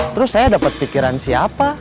terus saya dapat pikiran siapa